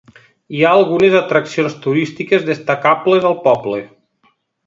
Hi ha algunes atraccions turístiques destacables al poble.